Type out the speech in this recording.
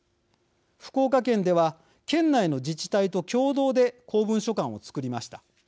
福岡県では県内の自治体と共同で公文書館をつくりました。